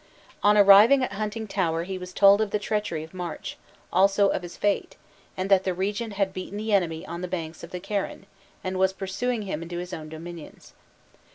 On arriving at Huntingtower he was told of the treachery of March, also of his fate, and that the regent had beaten the enemy on the banks of the Carron, and was pursuing him into his own dominions.